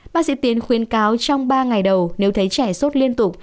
bác sĩ tiến khuyến cáo trong ba ngày đầu nếu thấy trẻ sốt liên tục